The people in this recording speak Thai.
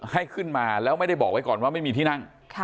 ให้ขึ้นมาแล้วไม่ได้บอกไว้ก่อนว่าไม่มีที่นั่ง